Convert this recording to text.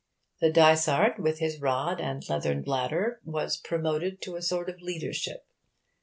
The dysard, with his rod and leathern bladder, was promoted to a sort of leadership.